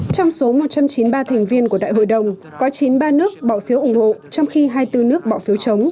trong số một trăm chín mươi ba thành viên của đại hội đồng có chín ba nước bỏ phiếu ủng hộ trong khi hai mươi bốn nước bỏ phiếu chống